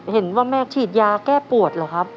เห็นว่าแม่ฉีดยาแก้ปวดเหรอครับ